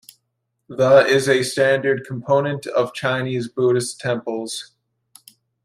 The is a standard component of Chinese Buddhist temples.